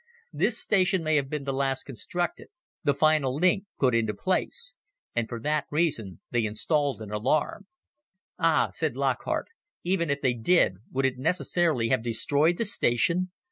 This station may have been the last constructed the final link put into place. And for that reason, they installed an alarm." "Ah," said Lockhart, "even if they did, would it necessarily have destroyed the station?